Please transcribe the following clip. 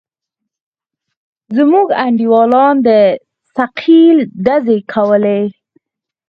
زموږ انډيوالانو د ثقيل ډزې کولې.